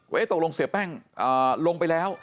ว่าเอ๊ะตกลงเสียแป้งลงไปแล้ว